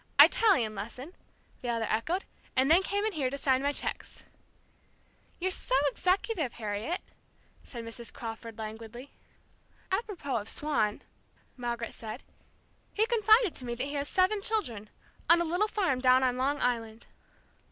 "Italian lesson," the other echoed, "and then came in here to sign my cheques." "You're so executive, Harriet!" said Mrs. Crawford, languidly. "Apropos of Swann," Margaret said, "he confided to me that he has seven children on a little farm down on Long Island."